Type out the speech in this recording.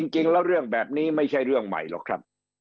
จริงแล้วเรื่องแบบนี้ไม่ใช่เรื่องใหม่หรอกครับ